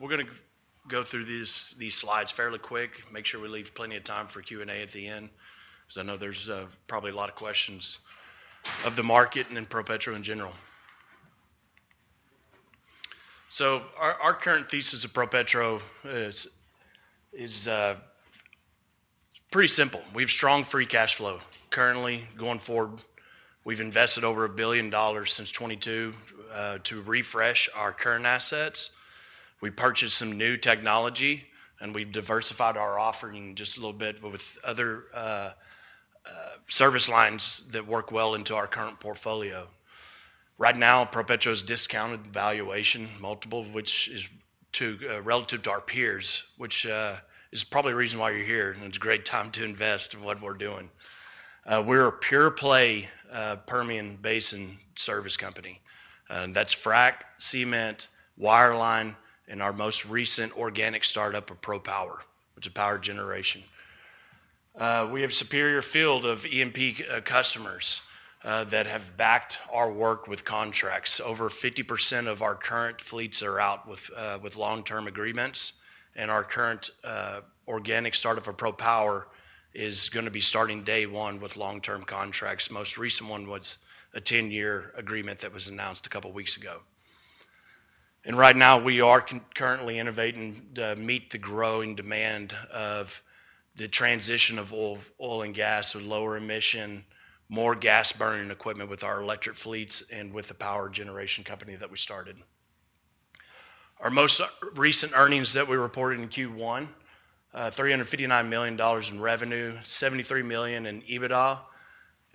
We're going to go through these slides fairly quick, make sure we leave plenty of time for Q&A at the end, because I know there's probably a lot of questions of the market and then ProPetro in general. Our current thesis of ProPetro is pretty simple. We have strong free cash flow. Currently, going forward, we've invested over $1 billion since 2022 to refresh our current assets. We purchased some new technology, and we've diversified our offering just a little bit with other service lines that work well into our current portfolio. Right now, ProPetro is discounted valuation, multiple of which is relative to our peers, which is probably the reason why you're here, and it's a great time to invest in what we're doing. We're a pure-play Permian Basin service company. That's frac, cement, wireline, and our most recent organic startup of ProPower, which is power generation. We have a superior field of E&P customers that have backed our work with contracts. Over 50% of our current fleets are out with long-term agreements, and our current organic startup of ProPower is going to be starting day one with long-term contracts. The most recent one was a 10-year agreement that was announced a couple of weeks ago. Right now, we are currently innovating to meet the growing demand of the transition of oil and gas with lower emission, more gas-burning equipment with our electric fleets and with the power generation company that we started. Our most recent earnings that we reported in Q1: $359 million in revenue, $73 million in EBITDA.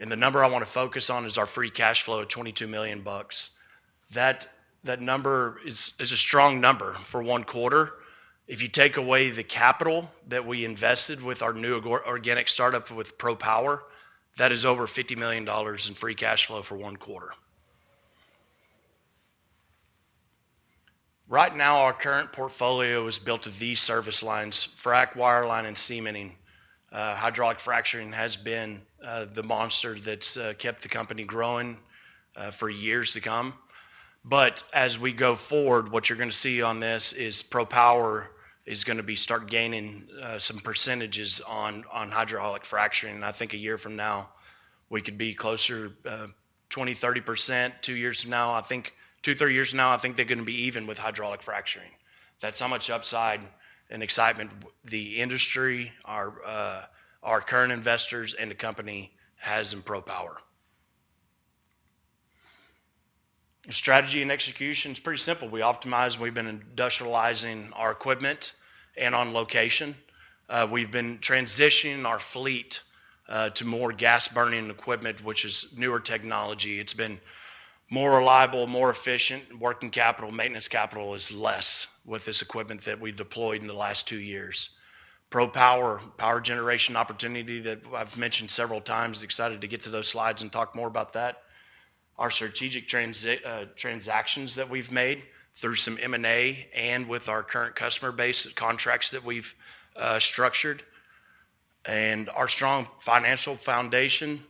The number I want to focus on is our free cash flow of $22 million. That number is a strong number for one quarter. If you take away the capital that we invested with our new organic startup with ProPower, that is over $50 million in free cash flow for one quarter. Right now, our current portfolio is built to these service lines: frac, wireline, and cementing. Hydraulic fracturing has been the monster that's kept the company growing for years to come. As we go forward, what you're going to see on this is ProPower is going to start gaining some percentages on hydraulic fracturing. I think a year from now, we could be closer to 20-30%. Two years from now, I think —two to three years from now, I think —they're going to be even with hydraulic fracturing. That's how much upside and excitement the industry, our current investors, and the company has in ProPower. Strategy and execution is pretty simple. We optimize, and we've been industrializing our equipment and on location. We've been transitioning our fleet to more gas-burning equipment, which is newer technology. It's been more reliable, more efficient working capital. Maintenance capital is less with this equipment that we've deployed in the last two years. ProPower, power generation opportunity that I've mentioned several times. Excited to get to those slides and talk more about that. Our strategic transactions that we've made through some M&A and with our current customer base contracts that we've structured, and our strong financial foundation.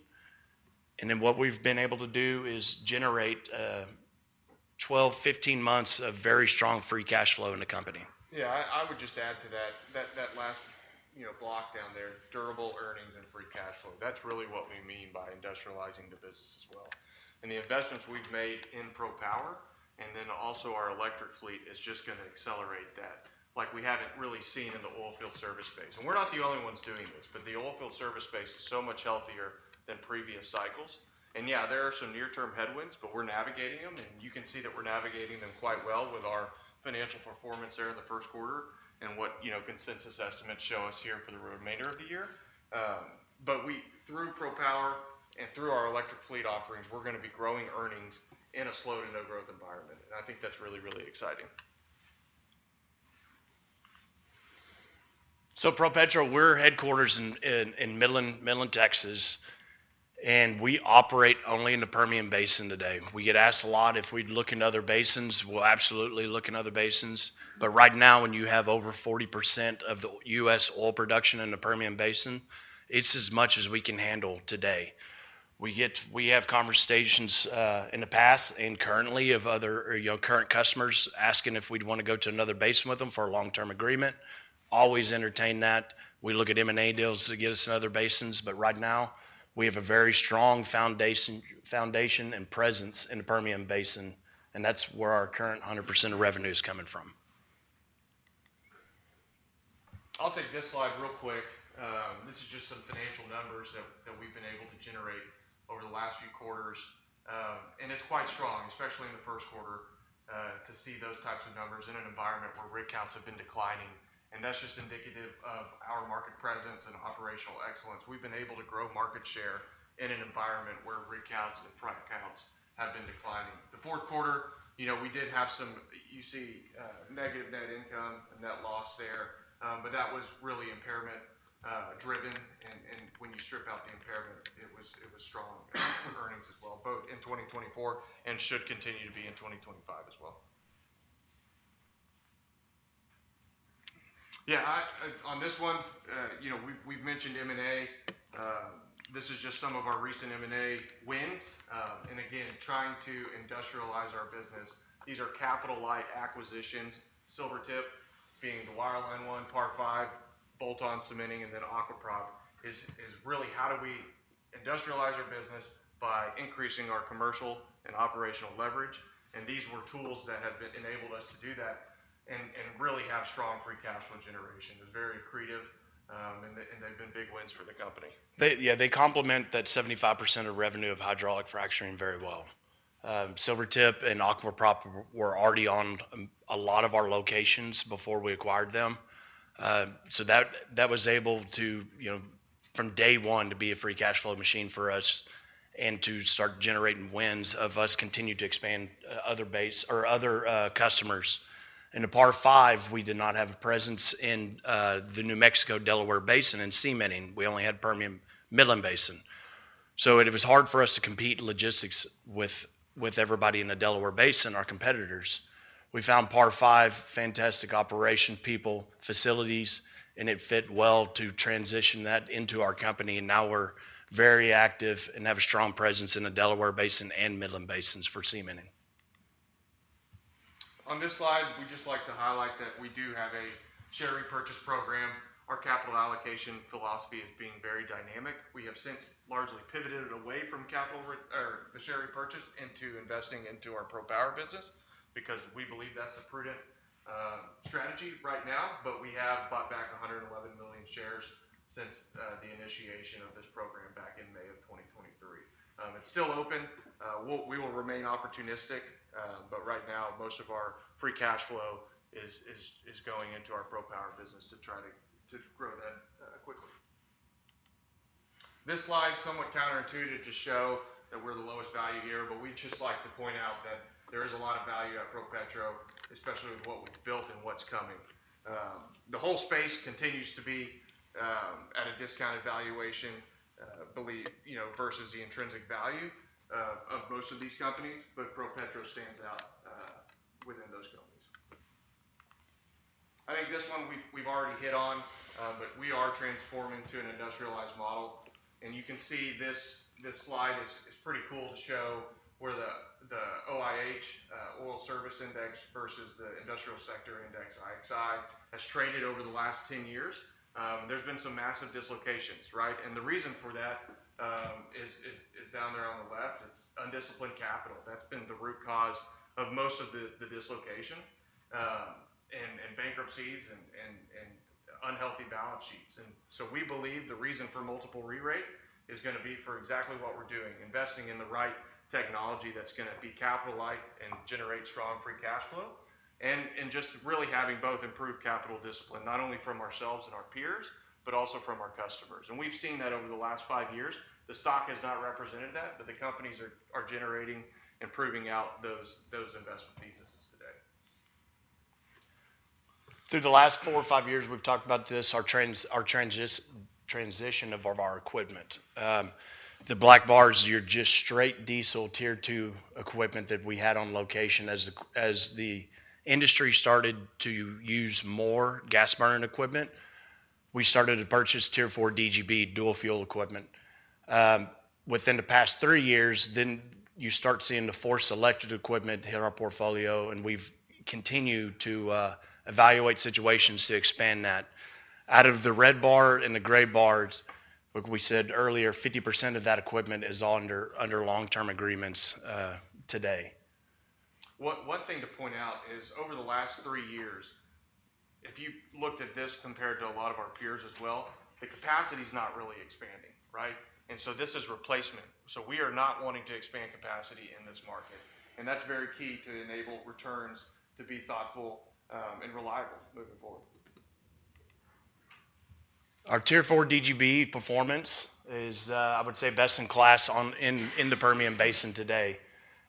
What we've been able to do is generate 12-15 months of very strong free cash flow in the company. Yeah, I would just add to that last block down there, durable earnings and free cash flow. That is really what we mean by industrializing the business as well. The investments we have made in ProPower and then also our electric fleet are just going to accelerate that. Like, we have not really seen that in the oil field service space. We are not the only ones doing this, but the oil field service space is so much healthier than previous cycles. Yeah, there are some near-term headwinds, but we are navigating them, and you can see that we are navigating them quite well with our financial performance there in the first quarter and what consensus estimates show us here for the remainder of the year. Through ProPower and through our electric fleet offerings, we are going to be growing earnings in a slow-to-no-growth environment. I think that is really, really exciting. ProPetro, we're headquartered in Midland, Texas, and we operate only in the Permian Basin today. We get asked a lot if we'd look in other basins. We'll absolutely look in other basins. Right now, when you have over 40% of the U.S. oil production in the Permian Basin, it's as much as we can handle today. We have conversations in the past and currently of other current customers asking if we'd want to go to another basin with them for a long-term agreement. Always entertain that. We look at M&A deals to get us in other basins. Right now, we have a very strong foundation and presence in the Permian Basin, and that's where our current 100% of revenue is coming from. I'll take this slide real quick. This is just some financial numbers that we've been able to generate over the last few quarters. It's quite strong, especially in the first quarter, to see those types of numbers in an environment where rig counts have been declining. That's just indicative of our market presence and operational excellence. We've been able to grow market share in an environment where rig counts and frac counts have been declining. The fourth quarter, we did have some negative net income and net loss there, but that was really impairment-driven. When you strip out the impairment, it was strong earnings as well, both in 2024 and should continue to be in 2025 as well. On this one, we've mentioned M&A. This is just some of our recent M&A wins. Again, trying to industrialize our business. These are capital-light acquisitions. Silver Tip, being the wireline one, Par 5, Bolton Cementing, and then Aquaprop is really how we industrialize our business by increasing our commercial and operational leverage. These were tools that have enabled us to do that and really have strong free cash flow generation. It is very accretive, and they've been big wins for the company. Yeah, they complement that 75% of revenue of hydraulic fracturing very well. Silver Tip and Aquaprop were already on a lot of our locations before we acquired them. That was able to, from day one, be a free cash flow machine for us and to start generating wins of us continuing to expand other customers. At Par 5, we did not have a presence in the New Mexico, Delaware Basin in cementing. We only had Permian Midland Basin. It was hard for us to compete in logistics with everybody in the Delaware Basin, our competitors. We found Par 5, fantastic operation people, facilities, and it fit well to transition that into our company. Now we're very active and have a strong presence in the Delaware Basin and Midland Basins for cementing. On this slide, we just like to highlight that we do have a share repurchase program. Our capital allocation philosophy is being very dynamic. We have since largely pivoted away from capital or the share repurchase into investing into our ProPower business because we believe that's a prudent strategy right now. We have bought back 111 million shares since the initiation of this program back in May of 2023. It's still open. We will remain opportunistic, but right now, most of our free cash flow is going into our ProPower business to try to grow that quickly. This slide is somewhat counterintuitive to show that we're the lowest value here, but we'd just like to point out that there is a lot of value at Rayonier Advanced Materials, especially with what we've built and what's coming. The whole space continues to be at a discounted valuation versus the intrinsic value of most of these companies, but ProPetro stands out within those companies. I think this one we have already hit on, but we are transforming to an industrialized model. You can see this slide is pretty cool to show where the OIH, Oil Service Index, versus the Industrial Sector Index, IXI, has traded over the last 10 years. There have been some massive dislocations, right? The reason for that is down there on the left. It is undisciplined capital. That has been the root cause of most of the dislocation and bankruptcies and unhealthy balance sheets. We believe the reason for multiple re-rate is going to be for exactly what we're doing: investing in the right technology that's going to be capital-light and generate strong free cash flow and just really having both improved capital discipline, not only from ourselves and our peers but also from our customers. We have seen that over the last five years. The stock has not represented that, but the companies are generating and proving out those investment theses today. Through the last four or five years, we've talked about this, our transition of our equipment. The black bars —you're just straight diesel tier two equipment that we had on location. As the industry started to use more gas-burning equipment, we started to purchase tier 4 DGB dual-fuel equipment. Within the past three years, then you start seeing the Force electric equipment hit our portfolio, and we've continued to evaluate situations to expand that. Out of the red bar and the gray bars, like we said earlier, 50% of that equipment is under long-term agreements today. One thing to point out is over the last three years, if you looked at this compared to a lot of our peers as well, the capacity is not really expanding, right? This is replacement. We are not wanting to expand capacity in this market. That is very key to enable returns to be thoughtful and reliable moving forward. Our tier 4 DGB performance is, I would say, best in class in the Permian Basin today.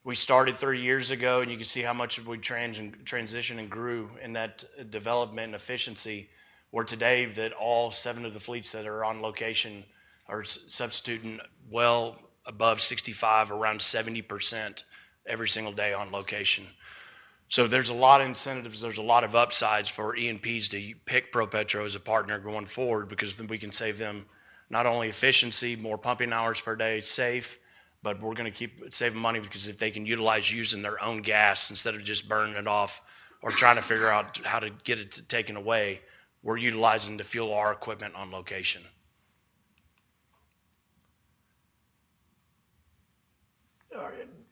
We started three years ago, and you can see how much we transitioned and grew in that development and efficiency, where today that all seven of the fleets that are on location are substituting well above 65%, around 70%, every single day on location. There is a lot of incentives. There is a lot of upsides for EMPs to pick ProPetro as a partner going forward because then we can save them not only efficiency, more pumping hours per day, safe, but we are going to save them money because if they can utilize using their own gas instead of just burning it off or trying to figure out how to get it taken away, we are utilizing to fuel our equipment on location.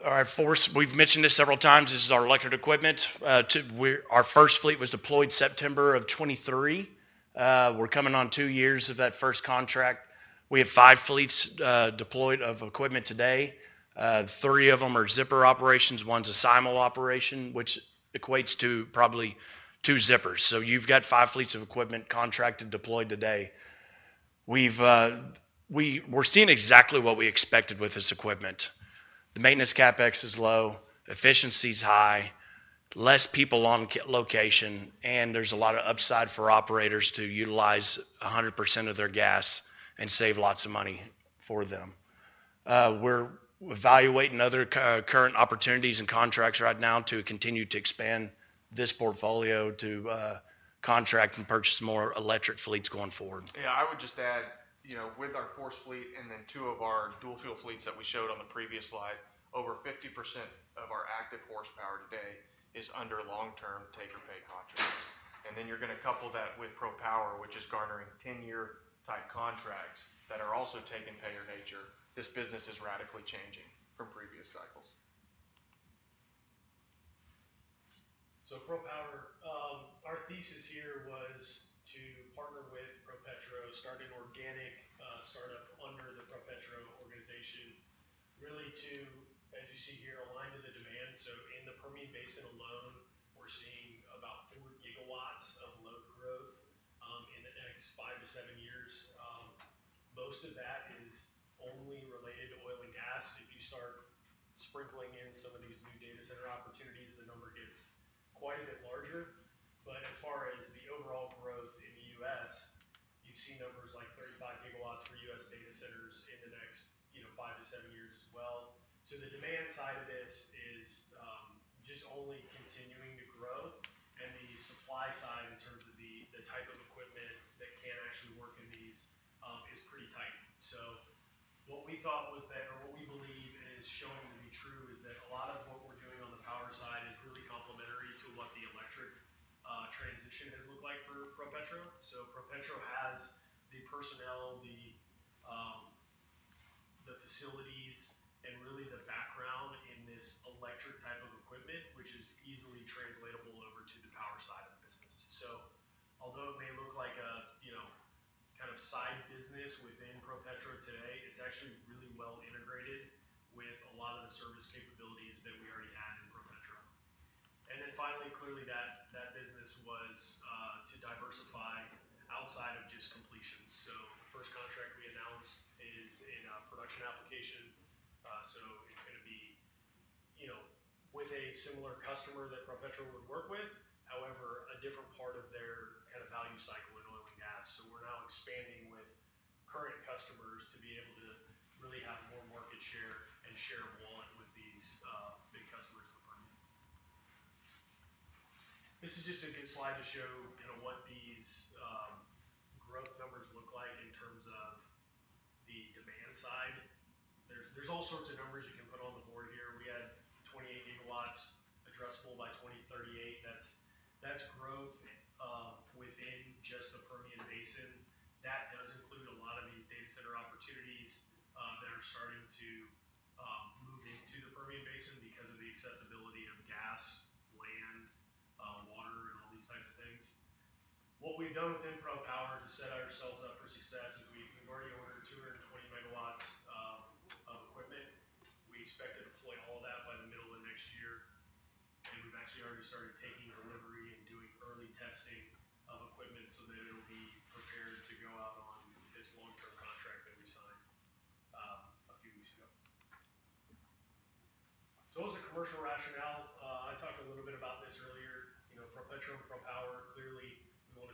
All right, Force, we have mentioned this several times. This is our electric equipment. Our first fleet was deployed September of 2023. We're coming on two years of that first contract. We have five fleets deployed of equipment today. Three of them are zipper operations. One's a simul operation, which equates to probably two zippers. So you've got five fleets of equipment contracted deployed today. We're seeing exactly what we expected with this equipment. The maintenance CapEx is low, efficiency is high, less people on location, and there's a lot of upside for operators to utilize 100% of their gas and save lots of money for them. We're evaluating other current opportunities and contracts right now to continue to expand this portfolio to contract and purchase more electric fleets going forward. Yeah, I would just add, with our Force fleet and then two of our dual-fuel fleets that we showed on the previous slide, over 50% of our active horsepower today is under long-term take-or-pay contracts. You are going to couple that with ProPower, which is garnering 10-year-type contracts that are also take-or-pay in nature. This business is radically changing from previous cycles. ProPower: Our thesis here was to partner with ProPetro, start an organic startup under the ProPetro organization, really to, as you see here, align to the demand. In the Permian Basin alone, we're seeing about 4 gigawatts of load growth in the next five to seven years. Most of that is only related to oil and gas. If you start sprinkling in some of these new data center opportunities, the number gets quite a bit larger. As far as the overall growth in the U.S., you've seen numbers like 35 gigawatts for U.S. data centers in the next five to seven years as well. The demand side of this is just only continuing to grow. The supply side in terms of the type of equipment that can actually work in these is pretty tight. What we thought was that, or what we believe is showing to be true, is that a lot of what we're doing on the power side is really complementary to what the electric transition has looked like for ProPetro. ProPetro has the personnel, the facilities, and really the background in this electric type of equipment, which is easily translatable over to the power side of the business. Although it may look like a kind of side business within ProPetro today, it's actually really well integrated with a lot of the service capabilities that we already had in ProPetro. Finally, clearly that business was to diversify outside of just completions. The first contract we announced is in a production application. It's going to be with a similar customer that ProPetro would work with, however, a different part of their kind of value cycle in oil and gas. We're now expanding with current customers to be able to really have more market share and share of wallet with these big customers in the Permian. This is just a good slide to show what these growth numbers look like in terms of the demand side. There are all sorts of numbers you can put on the board here. We had 28 gigawatts addressable by 2038. That's growth within just the Permian Basin. That does include a lot of these data center opportunities that are starting to move into the Permian Basin because of the accessibility of gas, land, water, and all these types of things. What we've done within ProPower to set ourselves up for success is we've already ordered 220 megawatts of equipment. We expect to deploy all of that by the middle of next year. We've actually already started taking delivery and doing early testing of equipment so that it'll be prepared to go out on this long-term contract that we signed a few weeks ago. It was a commercial rationale. I talked a little bit about this earlier. ProPetro and ProPower, clearly, we want to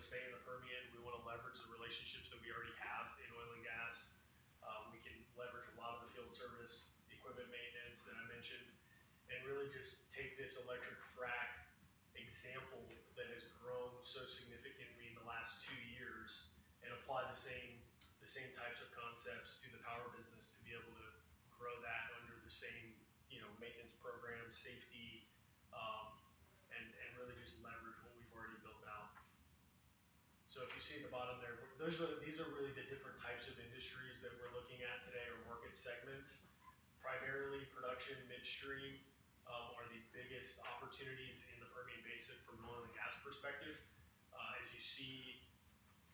stay in the Permian. We want to leverage the relationships that we already have in oil and gas. We can leverage a lot of the field service equipment maintenance that I mentioned and really just take this electric frac example that has grown so significantly in the last two years and apply the same types of concepts to the power business to be able to grow that under the same maintenance program, safety, and really just leverage what we've already built out. If you see at the bottom there, these are really the different types of industries that we're looking at today, or market segments. Primarily, production, midstream are the biggest opportunities in the Permian Basin from an oil and gas perspective. As you see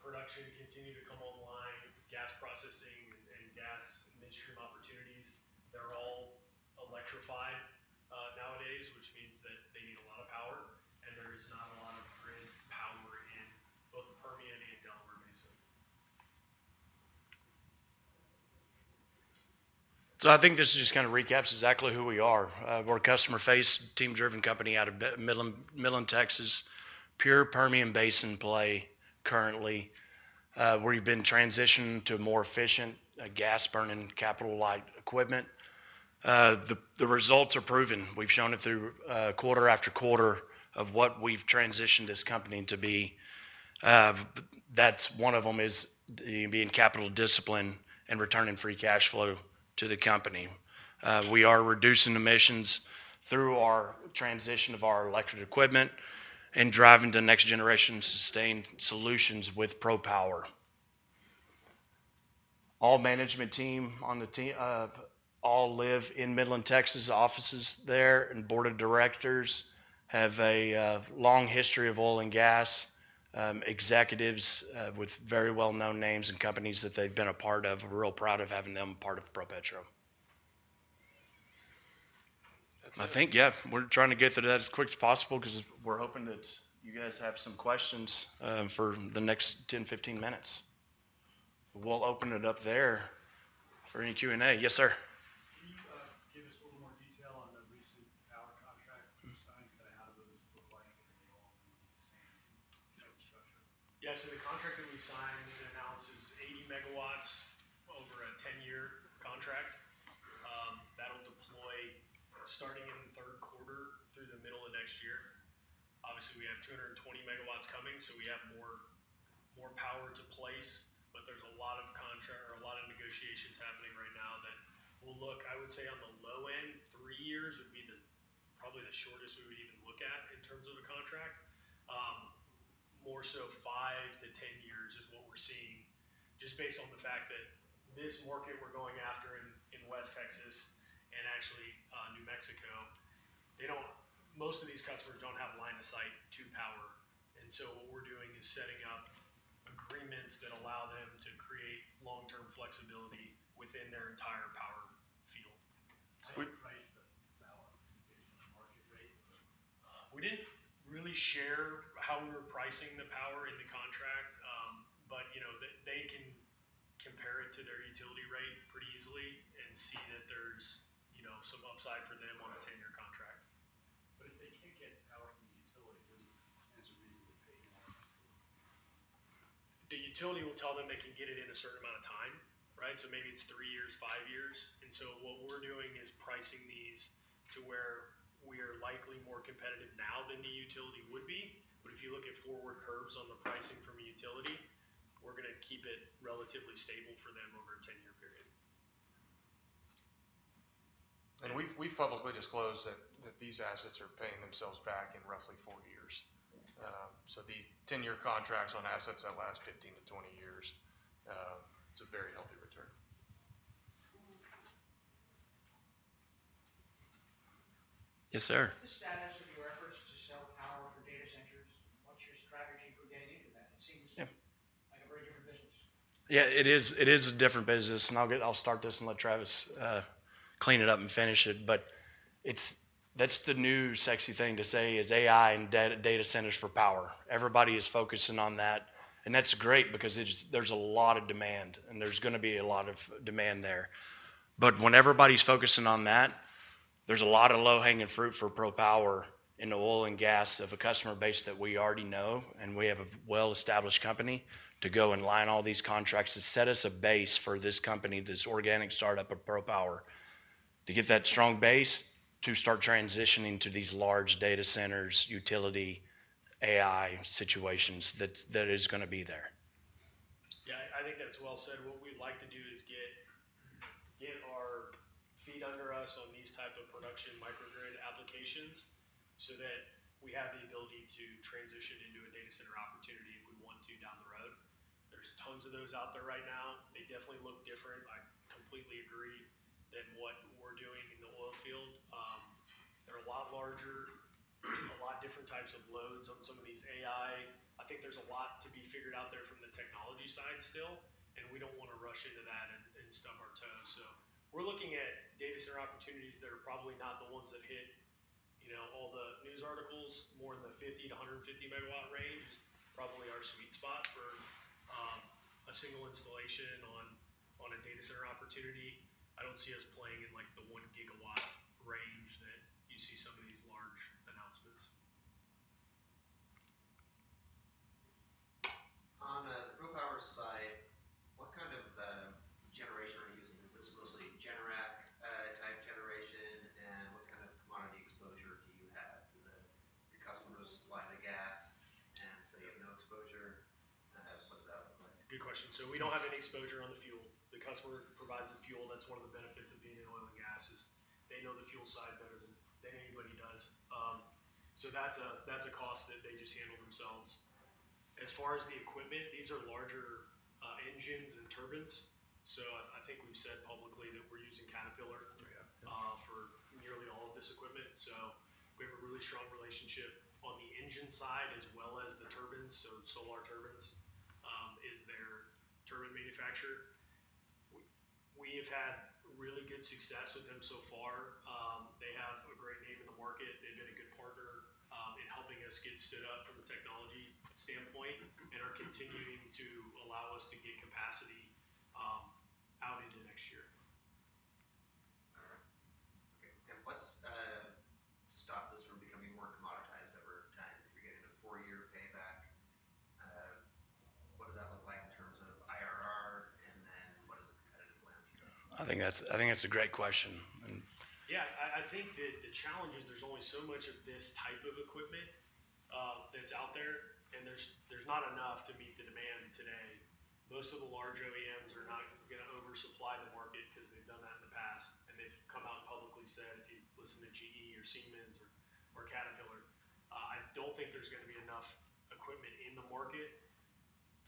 production continue to come online, gas processing and gas midstream opportunities, they're all electrified nowadays, which means that they need a lot of power. There is not a lot of grid power in both the Permian and Delaware Basin. I think this just kind of recaps exactly who we are. We're a customer-faced, team-driven company out of Midland, Texas, pure Permian Basin play currently, where we've been transitioned to a more efficient gas-burning, capital-light equipment. The results are proven. We've shown it through quarter after quarter of what we've transitioned this company to be. That's one of them is being capital discipline and returning free cash flow to the company. We are reducing emissions through our transition of our electric equipment and driving to next-generation sustained solutions with ProPower. All management team on the team all live in Midland, Texas offices there, and board of directors have a long history of oil and gas executives with very well-known names and companies that they've been a part of. We're real proud of having them part of ProPetro. I think, yeah, we're trying to get through that as quick as possible because we're hoping that you guys have some questions for the next 10-15 minutes. We'll open it up there for any Q&A. Yes, sir. Can you give us a little more detail on the recent power contract we've signed? Kind of how do those look? Are they all in the same type of structure? Yeah, so the contract that we signed and announced is 80 megawatts over a 10-year contract. That'll deploy starting in the third quarter through the middle of next year. Obviously, we have 220 megawatts coming, so we have more power to place, but there's a lot of contract or a lot of negotiations happening right now that will look, I would say, on the low end, three years would be probably the shortest we would even look at in terms of a contract. More so, five to 10 years is what we're seeing, just based on the fact that this market we're going after in West Texas and actually New Mexico, most of these customers don't have line of sight to power. What we're doing is setting up agreements that allow them to create long-term flexibility within their entire power field. How do you price the power based on market rate? We didn't really share how we were pricing the power in the contract, but they can compare it to their utility rate pretty easily and see that there's some upside for them on a 10-year contract. If they can't get power from the utility, what is the reason to pay more? The utility will tell them they can get it in a certain amount of time, right? Maybe it's three years, five years. What we're doing is pricing these to where we are likely more competitive now than the utility would be. If you look at forward curves on the pricing from a utility, we're going to keep it relatively stable for them over a 10-year period. We have publicly disclosed that these assets are paying themselves back in roughly four years. The 10-year contracts on assets that last 15 to 20 years, —it's a very healthy return. Yes, sir. What's the status of your efforts to sell power for data centers? What's your strategy for getting into that? It seems like a very different business. Yeah, it is a different business. I'll start this and let Travis clean it up and finish it. That's the new sexy thing to say is AI and data centers for power. Everybody is focusing on that. That's great because there's a lot of demand, and there's going to be a lot of demand there. When everybody's focusing on that, there's a lot of low-hanging fruit for ProPower in the oil and gas of a customer base that we already know, and we have a well-established company to go and line all these contracts to set us a base for this company, this organic startup of ProPower, to get that strong base to start transitioning to these large data centers, utility, AI situations that is going to be there. Yeah, I think that's well said. What we'd like to do is get our feet under us on these types of production microgrid applications so that we have the ability to transition into a data center opportunity if we want to down the road. There's tons of those out there right now. They definitely look different. I completely agree that what we're doing in the oil field, there are a lot larger, a lot different types of loads on some of these AI. I think there's a lot to be figured out there from the technology side still, and we don't want to rush into that and stub our toes. We're looking at data center opportunities that are probably not the ones that hit all the news articles; more in the 50-150 megawatt range is probably our sweet spot for a single installation on a data center opportunity. I don't see us playing in the 1-gigawatt range that you see some of these large announcements. On the ProPower side, what kind of generation are you using? Is this mostly a Generac-type generation? What kind of commodity exposure do you have? Do the customers supply the gas? You have no exposure? What does that look like? Good question. We do not have any exposure on the fuel. The customer provides the fuel. That is one of the benefits of being in oil and gas is they know the fuel side better than anybody does. That is a cost that they just handle themselves. As far as the equipment, these are larger engines and turbines. I think we have said publicly that we are using Caterpillar for nearly all of this equipment. We have a really strong relationship on the engine side as well as the turbines. Solar Turbines is their turbine manufacturer. We have had really good success with them so far. They have a great name in the market. They have been a good partner in helping us get stood up from a technology standpoint and are continuing to allow us to get capacity out into next year. All right. Okay. What's to stop this from becoming more commoditized over time if you're getting a four-year payback? What does that look like in terms of IRR? What is the competitive landscape? I think that's a great question. Yeah. I think that the challenge is there's only so much of this type of equipment that's out there, and there's not enough to meet the demand today. Most of the large OEMs are not going to oversupply the market because they've done that in the past. They've come out publicly and said, if you listen to GE or Siemens or Caterpillar, I don't think there's going to be enough equipment in the market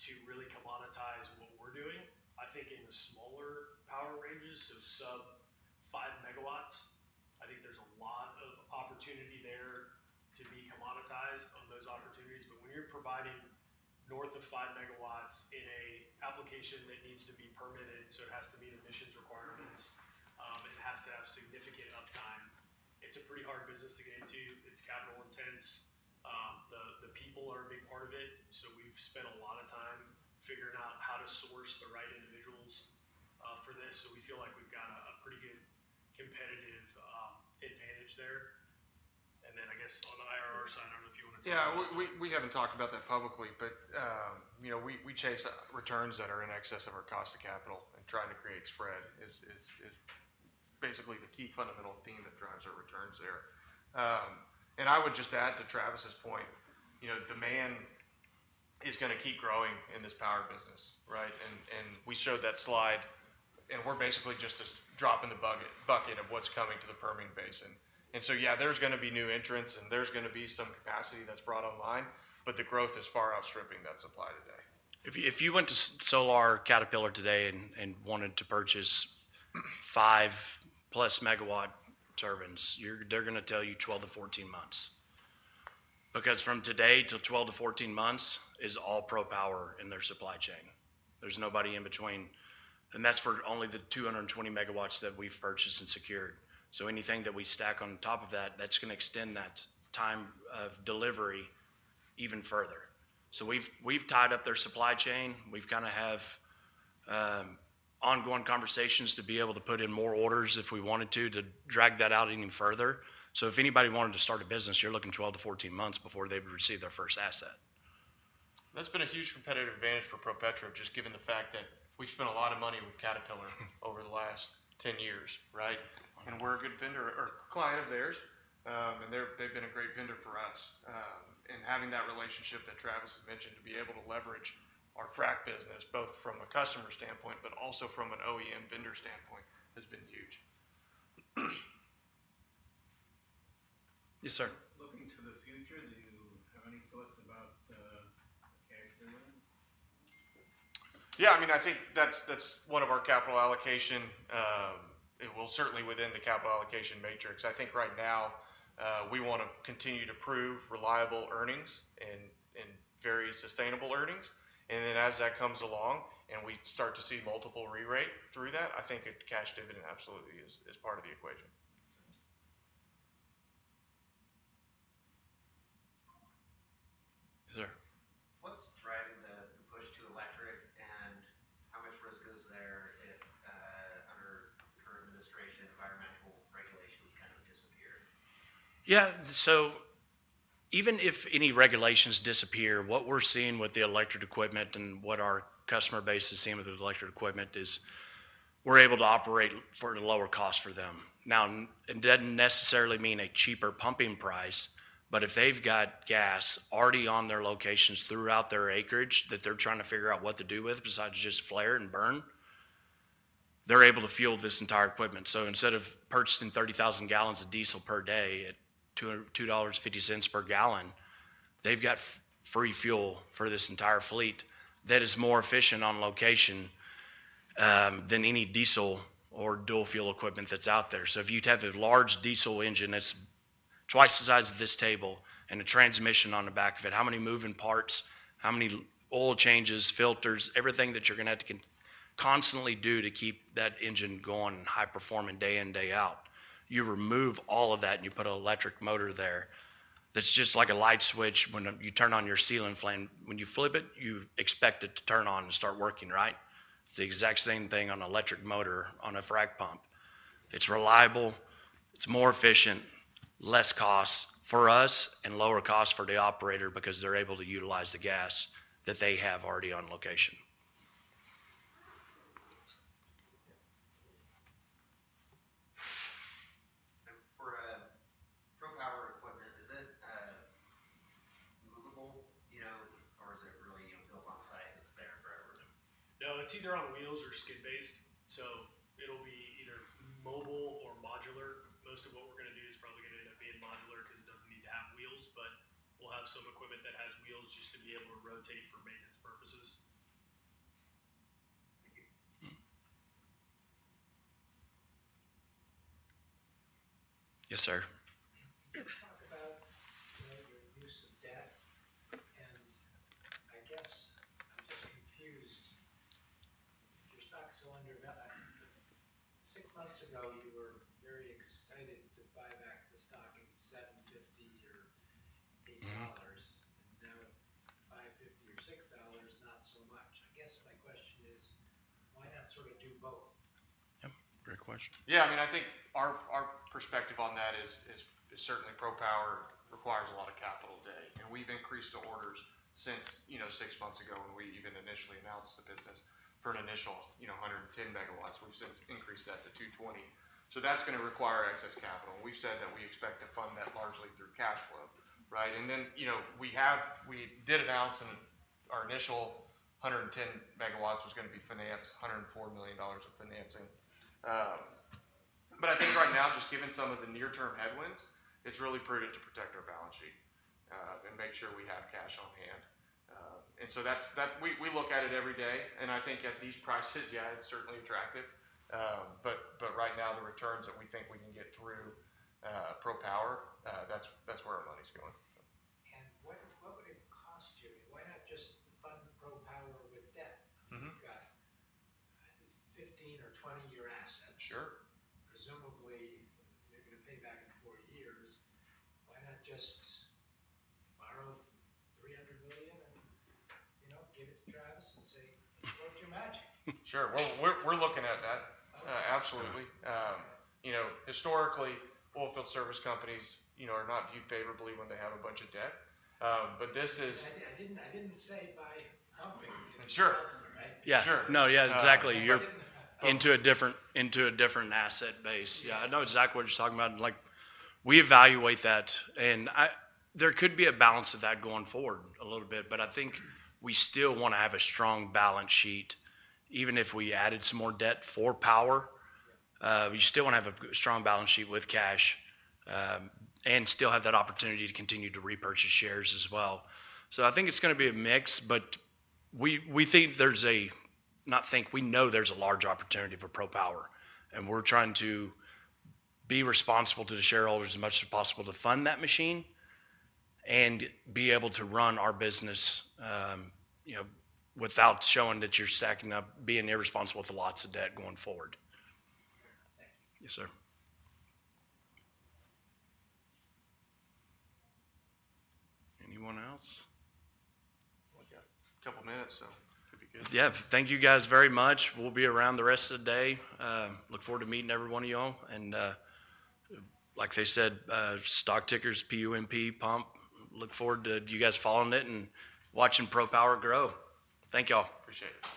to really commoditize what we're doing. I think in the smaller power ranges, so sub 5-megawatts, I think there's a lot of opportunity there to be commoditized on those opportunities. When you're providing north of 5 megawatts in an application that needs to be permitted, so it has to meet emissions requirements, it has to have significant uptime. It's a pretty hard business to get into. It's capital intense. The people are a big part of it. We have spent a lot of time figuring out how to source the right individuals for this. We feel like we have a pretty good competitive advantage there. I guess on the IRR side, I do not know if you want to talk about that. Yeah, we haven't talked about that publicly, but we chase returns that are in excess of our cost of capital, and trying to create spread is basically the key fundamental theme that drives our returns there. I would just add to Travis's point: demand is going to keep growing in this power business, right? We showed that slide, and we're basically just a drop in the bucket of what's coming to the Permian Basin. There are going to be new entrants, and there is going to be some capacity that's brought online, but the growth is far outstripping that supply today. If you went to Solar Turbines or Caterpillar today and wanted to purchase 5-plus megawatt turbines, they're going to tell you 12-14 months. From today to 12-14 months is all ProPower in their supply chain. There's nobody in between. That is for only the 220 megawatts that we have purchased and secured. Anything that we stack on top of that is going to extend that time of delivery even further. We have tied up their supply chain. We have ongoing conversations to be able to put in more orders if we wanted to, to drag that out even further. If anybody wanted to start a business, you are looking at 12-14 months before they have received their first asset. That's been a huge competitive advantage for ProPetro, just given the fact that we spent a lot of money with Caterpillar over the last 10 years, right? We're a good vendor or client of theirs, and they've been a great vendor for us. Having that relationship that Travis had mentioned to be able to leverage our frac business, both from a customer standpoint, but also from an OEM vendor standpoint, has been huge. Yes, sir. Looking to the future, do you have any thoughts about the cash payment? Yeah. I mean, I think that's one of our capital allocation. It will certainly, within the capital allocation matrix, I think. Right now we want to continue to prove reliable earnings and very sustainable earnings. Then as that comes along and we start to see multiple re-rate through that, I think cash dividend absolutely is part of the equation. Yes, sir. What's driving the push to electric and how much risk is there if, under the current administration, environmental regulations kind of disappear? Yeah. Even if any regulations disappear, what we're seeing with the electric equipment and what our customer base is seeing with the electric equipment is we're able to operate for a lower cost for them. Now, it doesn't necessarily mean a cheaper pumping price, but if they've got gas already on their locations throughout their acreage that they're trying to figure out what to do with besides just flare and burn, they're able to fuel this entire equipment. Instead of purchasing 30,000 gallons of diesel per day at $2.50 per gallon, they've got free fuel for this entire fleet that is more efficient on location than any diesel or dual-fuel equipment that's out there. If you have a large diesel engine that's twice the size of this table and a transmission on the back of it, how many moving parts, how many oil changes, filters, everything that you're going to have to constantly do to keep that engine going and high-performing day in, day out? You remove all of that, and you put an electric motor there that's just like a light switch when you turn on your ceiling fan. When you flip it, you expect it to turn on and start working, right? It's the exact same thing on an electric motor on a frac pump. It's reliable. It's more efficient, less cost for us, and lower cost for the operator because they're able to utilize the gas that they have already on location. For ProPower equipment, is it movable or is it really built on site and it's there forever? No, it's either on wheels or skid-based. It will be either mobile or modular. Most of what we're going to do is probably going to end up being modular because it doesn't need to have wheels, but we'll have some equipment that has wheels just to be able to rotate for maintenance purposes. Thank you. Yes, sir. You talk about your use of debt. I guess I'm just confused if your stock's still undervalued. Six months ago, you were very excited to buy back the stock at $7.50 or $8. And now at $5.50 or $6, not so much. I guess my question is, why not sort of do both? Yep. Great question. Yeah. I mean, I think our perspective on that is certainly ProPower requires a lot of capital today. We have increased the orders since six months ago when we even initially announced the business for an initial 110 megawatts. We have since increased that to 220. That is going to require excess capital. We have said that we expect to fund that largely through cash flow, right? We did announce our initial 110 megawatts was going to be financed, $104 million of financing. I think right now, just given some of the near-term headwinds, it is really prudent to protect our balance sheet and make sure we have cash on hand. We look at it every day. I think at these prices, yeah, it is certainly attractive. Right now, the returns that we think we can get through ProPower —that is where our money is going. What would it cost you? Why not just fund ProPower with debt? You've got 15- or 20-year assets. Presumably, you're going to pay back in four years. Why not just borrow $300 million and give it to Travis and say, "It's work your magic"? Sure. We are looking at that. Absolutely. Historically, oilfield service companies are not viewed favorably when they have a bunch of debt. This is. I didn't say by pumping in the 2000, right? Yeah. No, yeah, exactly. You're into a different asset base. Yeah. I know exactly what you're talking about. We evaluate that. There could be a balance of that going forward a little bit, but I think we still want to have a strong balance sheet, even if we added some more debt for power. We still want to have a strong balance sheet with cash and still have that opportunity to continue to repurchase shares as well. I think it's going to be a mix, but we think there's a—not think, we know there's a large opportunity for ProPower. We're trying to be responsible to the shareholders as much as possible to fund that machine and be able to run our business without showing that you're stacking up, being irresponsible with lots of debt going forward. Thank you. Yes, sir. Anyone else? We've got a couple of minutes, so it could be good. Yeah. Thank you guys very much. We'll be around the rest of the day. Look forward to meeting every one of y'all. Like they said, stock ticker is PUMP. Look forward to you guys following it and watching ProPower grow. Thank you all. Appreciate it.